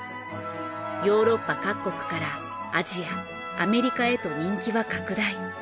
ヨーロッパ各国からアジアアメリカへと人気は拡大。